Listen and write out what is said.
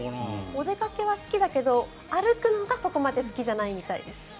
お出かけは好きだけど歩くのが、そこまで好きじゃないみたいです。